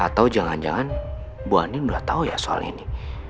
atau jangan jangan bu ani sudah tahu ya soal ini